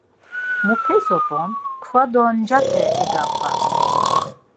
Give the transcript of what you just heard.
Mupe zop̌on, kva do ncape egabğas.